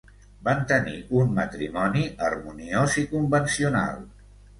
Van tenir un matrimoni harmoniós i convencional.